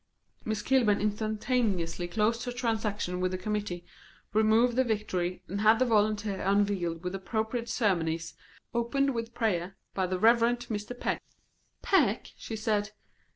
Miss Kilburn instantaneously closed her transaction with the committee, removed the Victory, and had the Volunteer unveiled with appropriate ceremonies, opened with prayer by the Rev. Mr. Peck. "Peck?" she said.